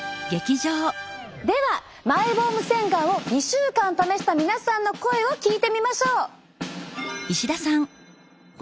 ではマイボーム洗顔を２週間試した皆さんの声を聞いてみましょう！